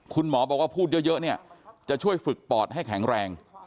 คุณหมอบอกว่าพูดเยอะเนี่ยจะช่วยฝึกปอดให้แข็งแรง